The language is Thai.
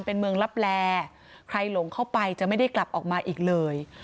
เป็นเมืองลับแลใครหลงเข้าไปจะไม่ได้กลับออกมาอีกเลย